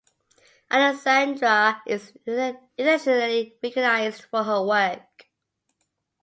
Alessandra is internationally recognized for her work.